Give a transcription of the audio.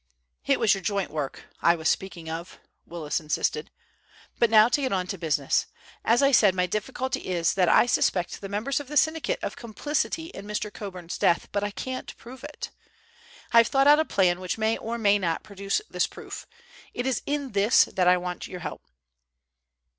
"It was your joint work I was speaking of," Willis insisted. "But now to get on to business. As I said, my difficulty is that I suspect the members of the syndicate of complicity in Mr. Coburn's death, but I can't prove it. I have thought out a plan which may or may not produce this proof. It is in this that I want your help."